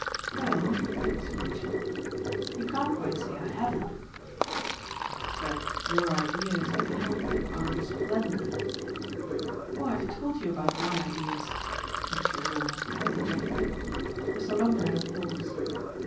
"Well," said Mitchy, "you can't quite say I haven't." "But your ideas of help are of a splendour !" "Oh I've told you about my ideas." Mitchy was almost apologetic. Mr. Longdon had a pause.